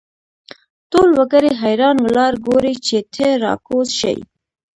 ټول وګړي حیران ولاړ ګوري چې ته را کوز شې.